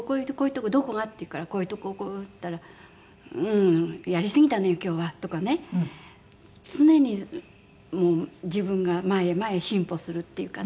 「どこが？」って言うから「こういうところ」って言ったら「ううんやりすぎたのよ今日は」とかね。常にうん自分が前へ前へ進歩するっていうかな。